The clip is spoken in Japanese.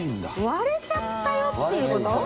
割れちゃったよっていう事？